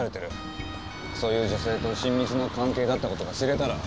そういう女性と親密な関係だったことが知れたら。